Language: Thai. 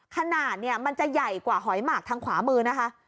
ขนาดเนี่ยมันจะใหญ่กว่าหอยหมากทางขวามือนะคะ